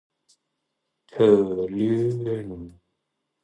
เธอลื่น